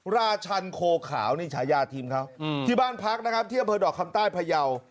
ราชันโคขาวนี่ชายาทีมเขาที่บ้านพักที่เผยดอกคำใต้พยาว